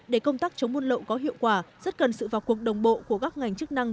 để công tác chống buôn lậu có hiệu quả rất cần sự vào cuộc đồng bộ của các ngành chức năng